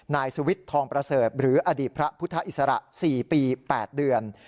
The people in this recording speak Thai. นายสุวิทย์ทองประเสริฐหรืออดีตพระพุทธอิสระ๔ปี๘เดือน